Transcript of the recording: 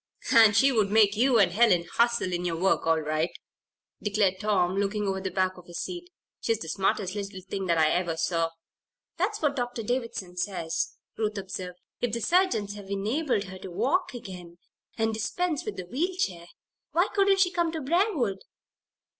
"She would make you and Helen hustle in your work, all right," declared Tom, looking over the back of his seat. "She's the smartest little thing that I ever saw." "That's what Dr. Davison says," Ruth observed. "If the surgeons have enabled her to walk again, and dispense with the wheel chair, why couldn't she come to Briarwood?"